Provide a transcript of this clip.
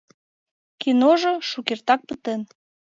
— Киножо шукертак пытен...